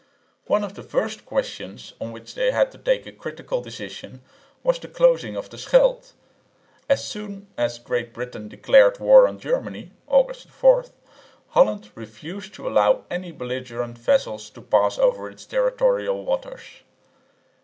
One of the first questions on which they had to take a critical decision was the closing of the Scheldt. As soon as Great Britain declared war on Germany (August 4), Holland refused to allow any belligerent vessels to pass over its territorial waters.